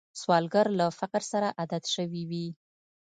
سوالګر له فقر سره عادت شوی وي